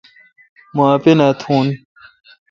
مو اپینا تھون۔